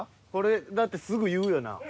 これだってすぐ言うよな？